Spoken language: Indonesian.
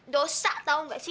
dosa tau gak sih